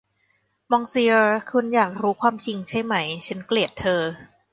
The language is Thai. มองซิเออร์ คุณอยากรู้ความจริงใช่ไหม ฉันเกลียดเธอ